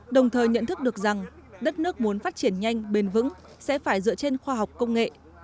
đồng thời nhận thức được rằng đất nước muốn phát triển nhanh bền vững sẽ phải dựa trên khoa học công nghệ